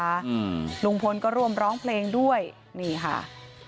อืมลุงพลก็ร่วมร้องเพลงด้วยนี่ค่ะ